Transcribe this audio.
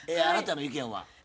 あなたの意見は？